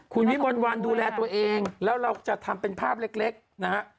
คุณวิมลวันดูแลตัวเองแล้วเราจะทำเป็นภาพเล็กนะฮะ